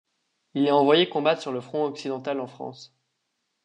Il est envoyé combattre sur le front occidental en France.